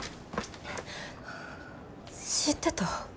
知ってた？